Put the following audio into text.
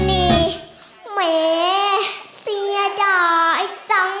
เหม่เสียดายจังเสียดายจัง